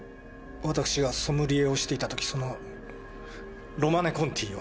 私がソムリエをしていた時その「ロマネ・コンティ」を。